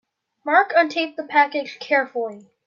Mark untaped the package carefully.